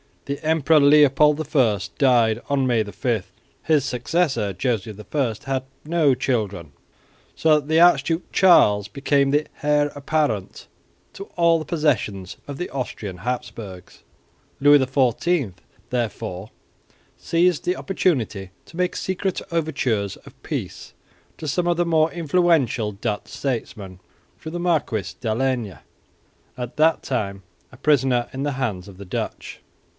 The Emperor Leopold I died on May 5. His successor Joseph I had no children, so that the Archduke Charles became the heir apparent to all the possessions of the Austrian Habsburgs. Louis XIV therefore seized the opportunity to make secret overtures of peace to some of the more influential Dutch statesmen through the Marquis D'Allègne, at that time a prisoner in the hands of the Dutch.